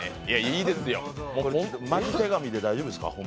マジ手紙で大丈夫ですか？